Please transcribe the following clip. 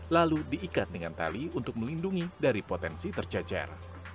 lalu diikat dengan tali untuk melindungi dari potensi tercajar